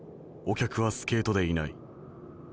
お客はスケートでいない。